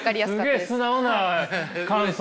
すげえ素直な感想。